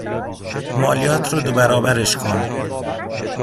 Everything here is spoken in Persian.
مالیات رو دو برابرش کن